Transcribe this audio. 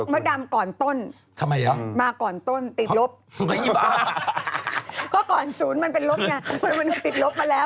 บ๊อตดำก่อนต้นมาก่อนต้นติดลบเพราะก่อนศูนย์มันเป็นลบไงมันติดลบมาแล้ว